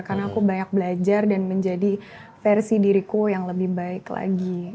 karena aku banyak belajar dan menjadi versi diriku yang lebih baik lagi